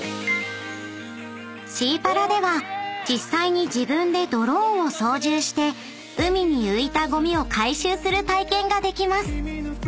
［シーパラでは実際に自分でドローンを操縦して海に浮いたゴミを回収する体験ができます］